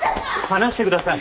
放してください。